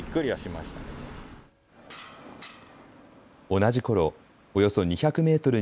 同じころ、およそ２００メートル